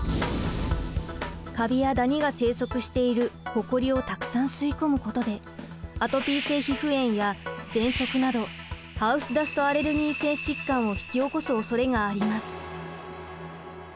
カビやダニが生息しているほこりをたくさん吸い込むことでアトピー性皮膚炎やぜんそくなどハウスダストアレルーギ性疾患を引き起こすおそれがあります。